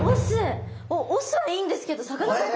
押忍はいいんですけどさかなクン